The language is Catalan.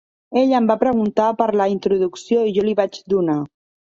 Ell em va preguntar per la introducció i jo li la vaig donar.